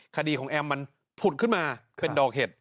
คดีของแอมมันผุดขึ้นมาเป็นดอกเห็ด